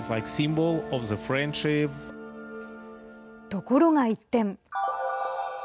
ところが一転。